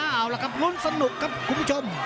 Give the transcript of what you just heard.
เอาล่ะครับลุ้นสนุกครับคุณผู้ชม